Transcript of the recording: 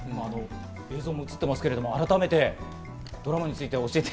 映像が映ってますけど、改めてドラマについて教えて。